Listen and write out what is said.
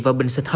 và bình sinh hóa